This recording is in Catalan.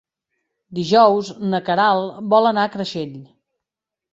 Dijous na Queralt vol anar a Creixell.